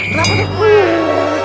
kenapa pak d